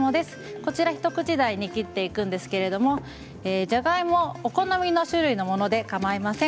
こちらを一口大に切っていくんですけれどじゃがいもはお好みの種類のものでかまいません。